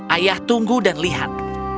ayah tunggu dan lihat